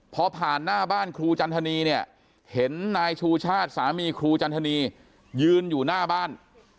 พอผ่านหน้าบ้านครูจันทนีเนี่ยเห็นนายชูชาติสามีครูจันทนียืนอยู่หน้าบ้าน